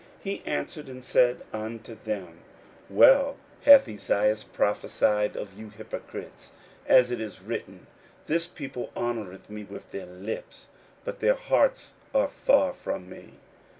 41:007:006 He answered and said unto them, Well hath Esaias prophesied of you hypocrites, as it is written, This people honoureth me with their lips, but their heart is far from me.